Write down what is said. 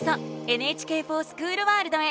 「ＮＨＫｆｏｒＳｃｈｏｏｌワールド」へ。